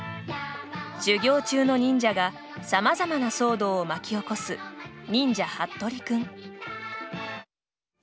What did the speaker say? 修行中の忍者がさまざまな騒動を巻き起こす「忍者ハットリくん」。